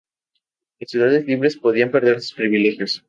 Las ciudades libres podían perder sus privilegios.